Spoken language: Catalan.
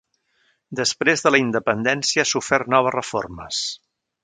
Després de la independència ha sofert noves reformes.